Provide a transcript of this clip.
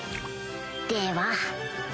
では